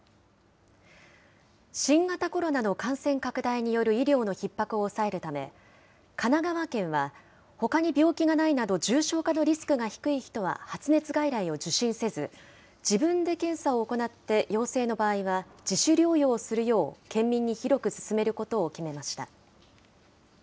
新型コロナの感染拡大による医療のひっ迫を抑えるため、神奈川県は、ほかに病気がないなど、重症化のリスクが低い人は発熱外来を受診せず、自分で検査を行って、陽性の場合は、自主療養をするよう県民に広く勧めることを決めました。